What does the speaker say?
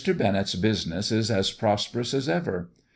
Bennett's business is as prosperous as ever.